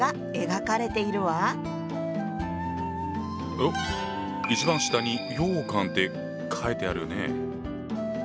おっ一番下にようかんって書いてあるね。